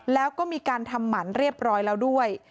แล้วก็มีการทำหมันเรียบร้อยแล้วด้วย